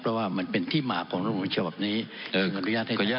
เพราะว่ามันเป็นที่มาของรุงประชาบนี้อนุญาตให้ได้